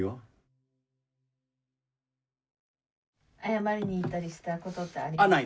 謝りに行ったりしたことってありますか？